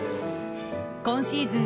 今シーズン